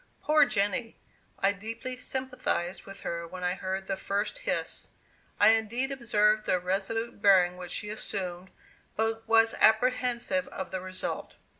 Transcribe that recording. Poor Jenny! I deeply sympathized with her when I heard that first hiss. I indeed observed the resolute bearing which she assumed, but was apprehensive of the result.